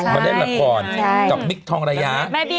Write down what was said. เขาได้แรงละครเก่าช่องมิกทองระยะ